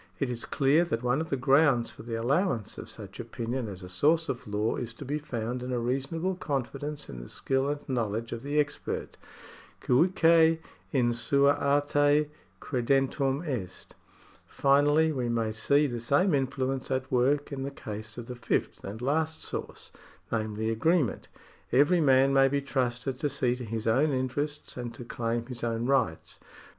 It is clear that one of the grounds for the allowance of such opinion as a source of law is to be found in a reasonable confidence in the skill and knowledge of the expert. Guique in sua arte credendum est. Finally we may see the same influence at work in the case of the fifth and last source, namely agreement. Every man may be trusted to see to his own interests and to claim his own rights.